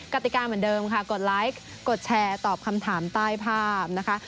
กติกาเหมือนเดิมค่ะกดไลค์กดแชร์ตอบคำถามใต้ภาพนะคะ